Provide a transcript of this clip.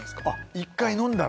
一回飲んだら？